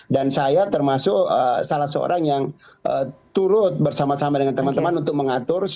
dan saya termasuk salah seorang yang turut bersama sama dengan teman teman untuk mengatur